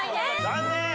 残念！